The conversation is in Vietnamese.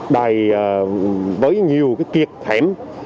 đầy với nhiều kiệt hẻm